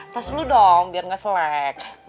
tas dulu dong biar gak selek